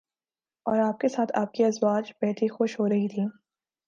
اور آپ کے ساتھ آپ کی ازواج بیٹھی خوش ہو رہی تھیں